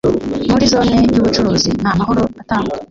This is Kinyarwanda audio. muri Zone y’ubucuruzi nta mahoro atangwa